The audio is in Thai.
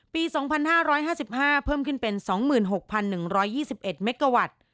ปี๒๕๕๕เพิ่มขึ้นเป็น๒๖๑๒๑เมกาวัตต์